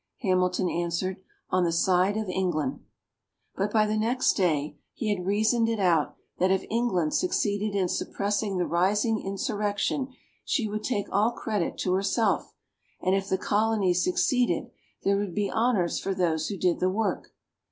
Hamilton answered, "On the side of England." But by the next day he had reasoned it out that if England succeeded in suppressing the rising insurrection she would take all credit to herself; and if the Colonies succeeded there would be honors for those who did the work.